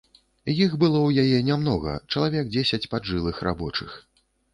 Іх было ў яе нямнога, чалавек дзесяць паджылых рабочых.